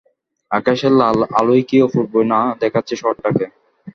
আকাশের লাল আলোয় কী অপূর্বই না দেখাচ্ছে শহরটাকে!